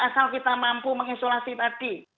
asal kita mampu mengisolasi tadi